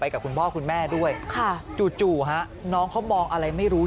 กับคุณพ่อคุณแม่ด้วยค่ะจู่ฮะน้องเขามองอะไรไม่รู้